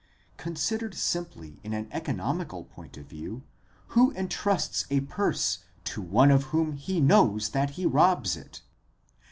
Considered simply in an economical point of view, who entrusts a purse to one of whom he knows that he robs it?